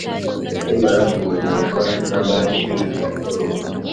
Akimara kumenyeshwa na Banki Nkuru